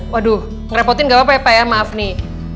waduh ngerepotin gak apa apa ya pak ya maaf nih